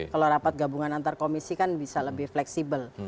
kalau rapat gabungan antar komisi kan bisa lebih fleksibel